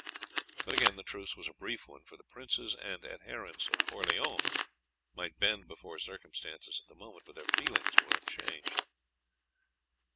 But the truce was a brief one; for the princes and adherents of Orleans might bend before circumstances at the moment, but their feelings were unchanged.